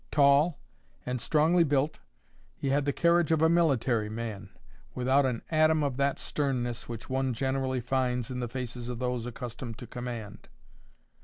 Tall, and strongly built, he had the carriage of a military man, without an atom of that sternness which one generally finds in the faces of those accustomed to command.